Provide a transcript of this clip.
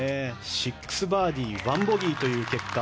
６バーディー１ボギーという結果。